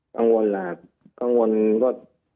กังวลล่ะครับกังวลก็